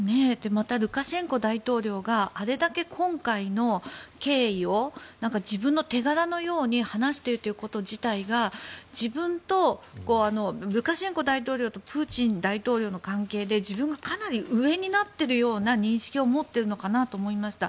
また、ルカシェンコ大統領があれだけ今回の経緯を自分の手柄のように話しているということ自体がルカシェンコ大統領とプーチン大統領の関係で自分がかなり上になってるような認識を持っているのかなと思いました。